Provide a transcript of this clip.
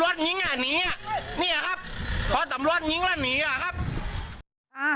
รถยิงแล้วหนีค่ะครับ